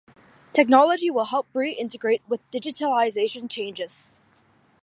Technology will help re-integrate with digitalization changes.